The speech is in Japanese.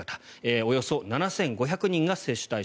およそ７５００人が接種対象。